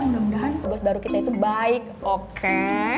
mudah mudahan tugas baru kita itu baik oke